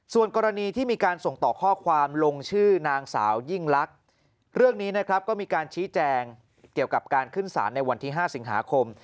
ส่วนกรณีที่มีการส่งต่อข้อความลงชื่อนางสาวยิ่งลักษณ์เรื่องนี้นะครับก็มีการชี้แจงเกี่ยวกับการขึ้นสารในวันที่๕สิงหาคม